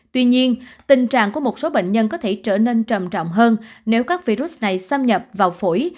tuy nhiên tình trạng của một số bệnh nhân có thể trở nên trầm trọng hơn nếu các virus này xâm nhập vào phổi